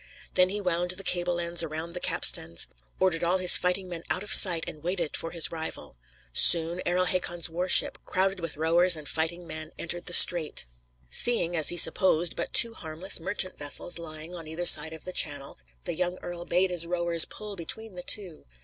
Then he wound the cable ends around the capstans, ordered all his fighting men out of sight, and waited for his rival. Soon Earl Hakon's war ship, crowded with rowers and fighting men, entered the strait. Seeing, as he supposed, but two harmless merchant vessels lying on either side of the channel, the young earl bade his rowers pull between the two.